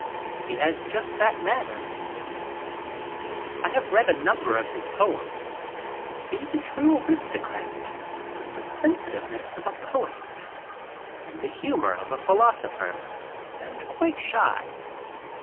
He has just that manner. I have read a number of his poems. He is a true aristocrat with the sensitiveness of a poet and the humor of a philoso pher, and quite shy.